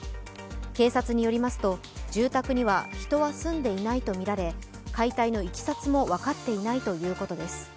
警察によりますと住宅には人は住んでいないとみられ、解体のいきさつも分かっていないということです。